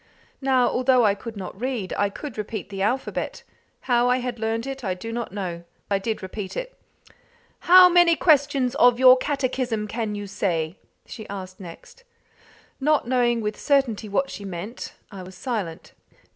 Now, although I could not read, I could repeat the alphabet; how I had learned it I do not know. I did repeat it. "How many questions of your catechism can you say?" she asked next. Not knowing with certainty what she meant, I was silent.